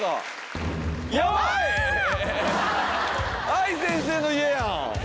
愛先生の家やん！